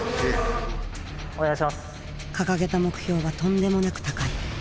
掲げた目標はとんでもなく高い。